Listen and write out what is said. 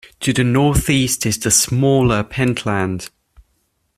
To the northeast is the smaller Pentland.